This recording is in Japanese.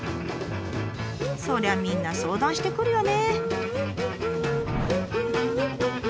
そりゃみんな相談してくるよね。